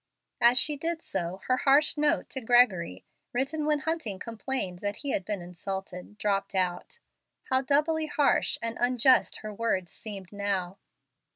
As she did so, her harsh note to Gregory, written when Hunting complained that he had been insulted, dropped out. How doubly harsh and unjust her words seemed now!